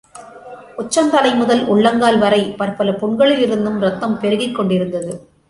உச்சந்தலை முதல் உள்ளங்கால்வரை பற்பல புண்களிலிருந்தும் இரத்தம் பெருகிக்கொண்டிருந்தது.